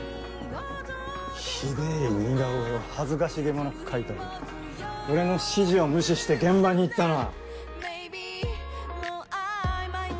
ひでぇ似顔絵を恥ずかしげもなく描いた上俺の指示を無視して現場に行ったのは。